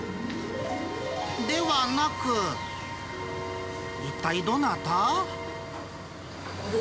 ではなく、一体どなた？